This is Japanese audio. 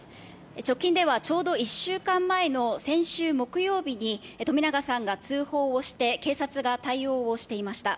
直近ではちょうど１週間前の先週木曜日に冨永さんが通報をして警察が対応をしていました。